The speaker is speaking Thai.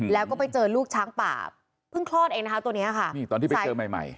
แล้วก็ไปเจอลูกช้างป่าเพิ่งคลอดเองนะคะตัวเนี้ยค่ะนี่ตอนที่ไปเจอใหม่ใหม่